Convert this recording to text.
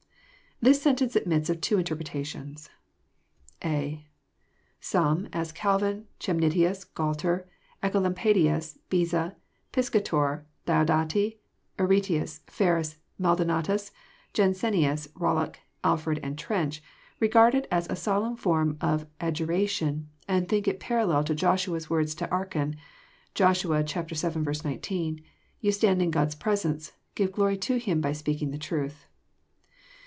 2 This sentence admits of two interpretations. (a) Some, as Calvin, Chemnitlus, Gualter, Ecolampadins, Beza, Piscator, Diodati, Aretius, Ferus, Maldonatns, Jansenius, Bollock, Alford, and Trench, regard it as a solemn form of ad juration, and think it parallel to Joshua's words to Achau, (Joshua Til. 19,) '* You stand in Grod's presence : give glory to Him by speaking the truth."